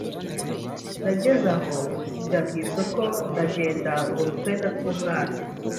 Nageze aho njya mu isoko ndagenda ngura utwenda tw’umwana